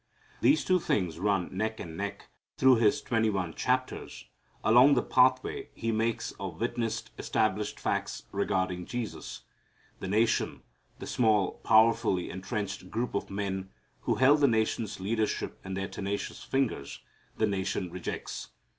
These two things run neck and neck through his twenty one chapters, along the pathway he makes of witnessed, established facts regarding Jesus. The nation the small, powerfully entrenched group of men who held the nation's leadership in their tenacious fingers the nation rejects.